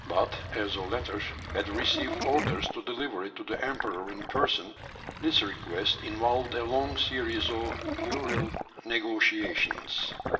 But, as the latter had received orders to deliver it to the Emperor in person, this request involved a long series of puerile negotiations.